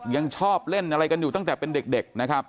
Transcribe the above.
ยังชอบเล่นอะไรกันอยู่ตั้งแต่เป็นเด็กนะครับ